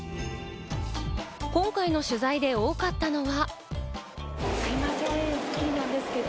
今回の取材で多かったのは。